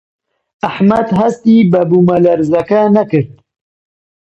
ئەحمەد هەستی بە بوومەلەرزەکە نەکرد.